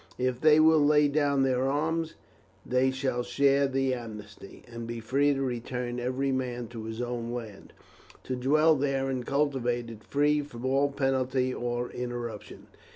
If they will lay down their arms they shall share the amnesty, and be free to return every man to his own land, to dwell there and cultivate it free from all penalty or interruption.